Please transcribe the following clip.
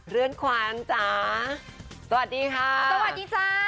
เรือนขวานจ๋าสวัสดีค่ะสวัสดีจ้า